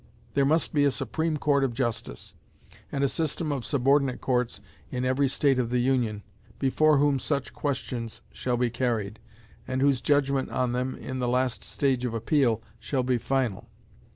There must be a Supreme Court of Justice, and a system of subordinate courts in every state of the Union, before whom such questions shall be carried, and whose judgment on them, in the last stage of appeal, shall be final.